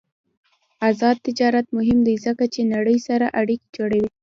آزاد تجارت مهم دی ځکه چې نړۍ سره اړیکې جوړوي.